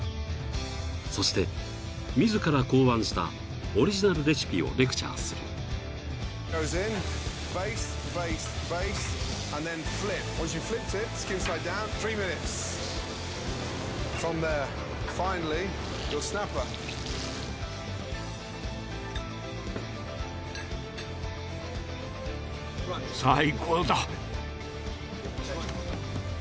［そして自ら考案したオリジナルレシピをレクチャーする］さあ。